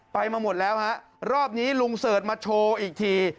ไปมาหมดแล้วฮะรอบนี้ลุงเสิร์ชมาโชว์อีกที